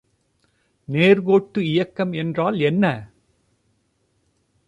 நேர்க்கோட்டு இயக்கம் என்றால் என்ன?